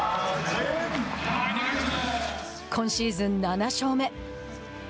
今シーズン７勝目。